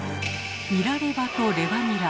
ニラレバとレバニラ。